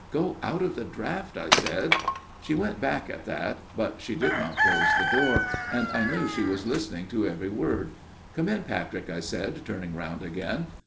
' Go out of the draught,' I said. " She went back at that ; but she did not close the door, and I knew she was listening to every word. ' Come in, Patrick,' I said, turning round again.